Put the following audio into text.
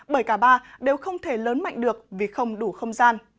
bởi cả ba đều không thể lớn mạnh được vì không đủ không gian